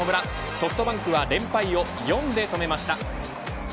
ソフトバンクは連敗を４で止めました。